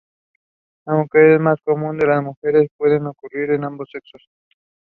She was the first African to be given this role.